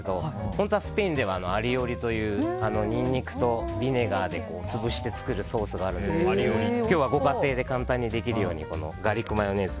本当はスペインではアリオリというニンニクとビネガーで潰して作るソースがあるんですが今日はご家庭で簡単にできるようにガーリックマヨネーズ。